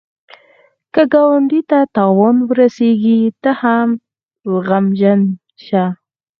که ګاونډي ته تاوان ورسېږي، ته هم غمژن شه